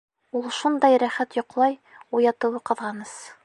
Ул шундай рәхәт йоҡлай, уятыуы ҡыҙғаныс.